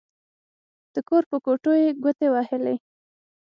د کور په کوټو يې ګوتې ووهلې.